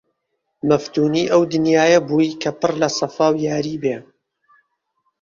مەفتونی ئەو دنیایە بووی کە پڕ لە سەفا و یاری بێ!